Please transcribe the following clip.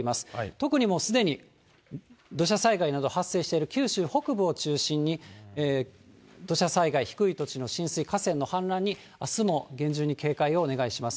特にもうすでに土砂災害など発生している九州北部を中心に、土砂災害、低い土地の浸水、河川の氾濫にあすも厳重に警戒をお願いします。